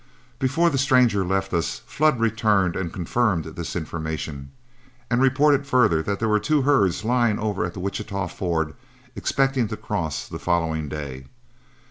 Before the stranger left us, Flood returned and confirmed this information, and reported further that there were two herds lying over at the Wichita ford expecting to cross the following day.